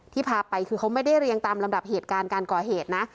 พาไปคือเขาไม่ได้เรียงตามลำดับเหตุการณ์การก่อเหตุนะ